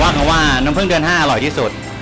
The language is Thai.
คำว่าน้ำพึ่งเดือน๕อร่อยที่สุด